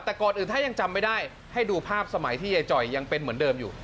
แต่ก่อนอื่นถ้ายังจำไม่ได้ให้ดูภาพสมัยที่ยายจ่อยยังเป็นเหมือนเดิมอยู่